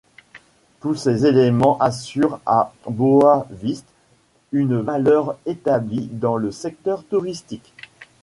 Tous ces éléments assurent à Boa Viste une valeur établie dans le secteur touristique.